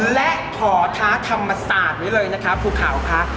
และขอท้าธรรมศาสตร์ไว้เลยนะคะภูเขาค่ะ